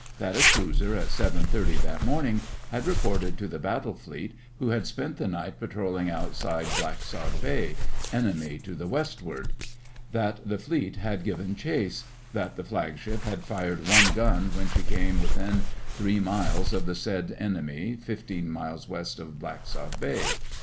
That a cruiser at 7:30 that morning had reported to the Battle Fleet, who had spent the night patrolling outside Blacksod Bay, 'Enemy to the Westward.' That the Fleet had given chase; that the Flagship had fired one gun when she came within three miles of the said enemy fifteen miles West of Blacksod Bay.